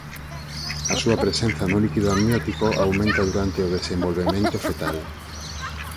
A súa presenza no líquido amniótico aumenta durante o desenvolvemento fetal.